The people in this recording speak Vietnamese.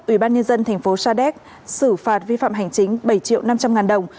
ủy ban nhân dân thành phố sa đéc xử phạt vi phạm hành chính bảy triệu năm trăm linh ngàn đồng